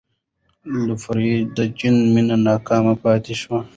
لفروی د جین مینه ناکام پاتې شوه.